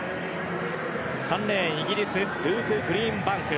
３レーン、イギリスルーク・グリーンバンク。